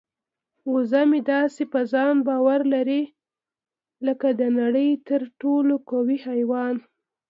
وزه مې داسې په ځان باور لري لکه د نړۍ تر ټولو قوي حیوان.